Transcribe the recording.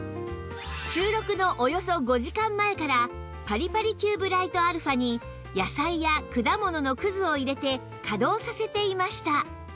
収録のおよそ５時間前からパリパリキューブライトアルファに野菜や果物のくずを入れて稼働させていました